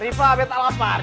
riva aku tak lapar